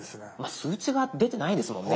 数値が出てないですもんね。